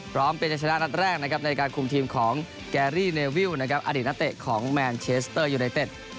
พร้อมเป็นจะชนะรัฐแรกในการคุมทีมของแกรรี่เนวิลอดินาเตะของแมนเชสเตอร์ยูไนเต็ด